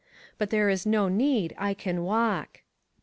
But there is no need, I can walk."